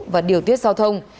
và điều tiết giao thông